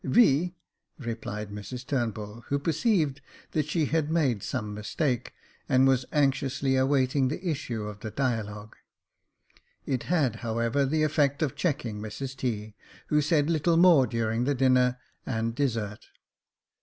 "/^^," replied Mrs Turnbull, who perceived that she had made some mistake, and was anxiously awaiting the issue of the dialogue. It had, however, the effect of checking Mrs T., who said little more during the dinner and dessert.